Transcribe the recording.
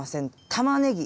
たまねぎ。